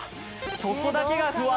そこだけが不安です。